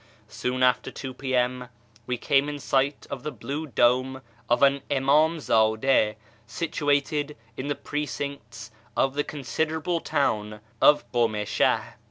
Soon after 2 p.m. we came in sight of the blue dome of an Imdmzdd6, situated in the precincts of the considerable town of Kumishah.